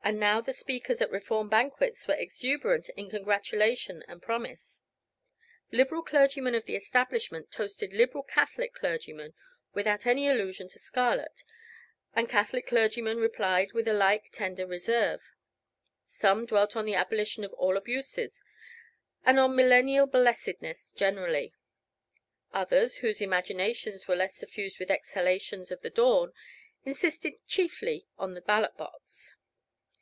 And now the speakers at Reform banquets were exuberant in congratulation and promise: Liberal clergymen of the Establishment toasted Liberal Catholic clergymen without any allusion to scarlet, and Catholic clergymen replied with a like tender reserve. Some dwelt on the abolition of all abuses, and on millennial blessedness generally; others, whose imaginations were less suffused with exhalations of the dawn insisted chiefly on the ballot box.